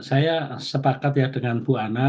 saya sepakat ya dengan bu ana